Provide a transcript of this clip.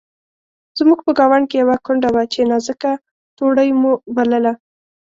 زموږ په ګاونډ کې یوه کونډه وه چې نازکه توړۍ مو بلله.